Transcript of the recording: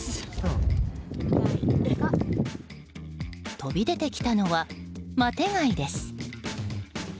飛び出てきたのはマテガイです。